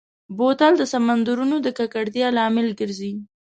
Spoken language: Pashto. بوتل د سمندرونو د ککړتیا لامل ګرځي.